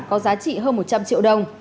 có giá trị hơn một trăm linh triệu đồng